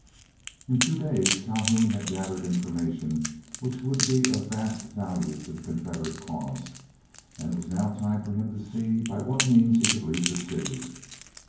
In two days Calhoun had gathered information which would be of vast value to the Confederate cause, and it was now time for him to see by what means he could leave the city.